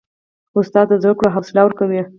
استاد د زده کړو حوصله ورکوي.